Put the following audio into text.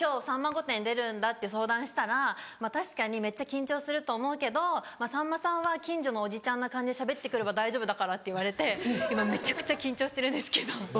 『さんま御殿‼』出るんだって相談したら「確かにめっちゃ緊張すると思うけどさんまさんは近所のおじちゃんな感じでしゃべって来れば大丈夫だから」って言われて今めちゃくちゃ緊張してるんです。